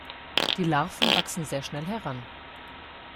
Die Larven wachsen sehr schnell heran.